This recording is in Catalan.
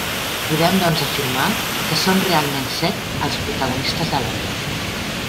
Podem, doncs, afirmar que són realment set els protagonistes de l'obra.